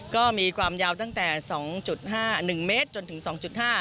ก็มีความยาวตั้งแต่๒๕๑เมตรจนถึง๒๕